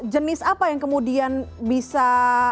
jenis apa yang kemudian bisa